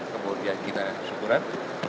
kemudian kita syukuran